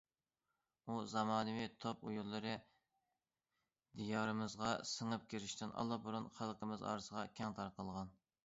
ئۇ زامانىۋى توپ ئويۇنلىرى دىيارىمىزغا سىڭىپ كىرىشتىن ئاللىبۇرۇن خەلقىمىز ئارىسىغا كەڭ تارقالغان.